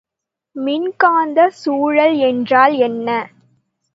மின்காந்தச் சூழல் என்றால் என்ன?